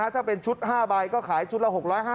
ถ้าเป็นชุด๕ใบก็ขายชุดละ๖๕๐